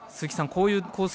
こういうコース